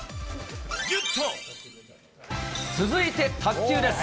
続いて卓球です。